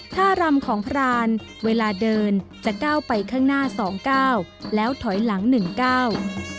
ท่ารำของพรานเวลาเดินจะก้าวไปข้างหน้า๒ก้าวแล้วถอยหลัง๑ก้าว